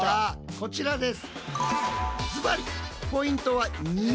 こちらです。